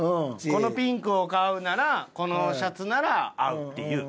このピンクを買うならこのシャツなら合うっていう。